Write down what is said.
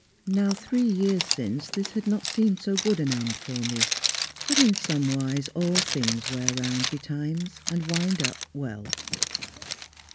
Now three years since This had not seemed so good an end for me ; But in some wise all things wear round betimes And wind up well."